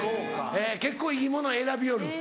結構いいもの選びよる？